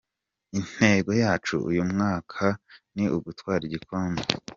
Intego yacu uyu mwaka ni ugutwara igikombe.